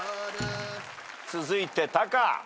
続いてタカ。